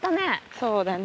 そうだね。